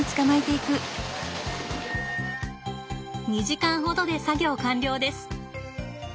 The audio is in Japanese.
２時間ほどで作業完了です。